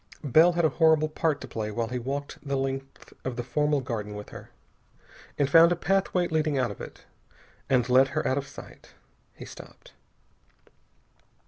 Bell had a horrible part to play while he walked the length of the formal garden with her, and found a pathway leading out of it, and led her out of sight. He stopped.